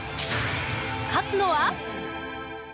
勝つのは。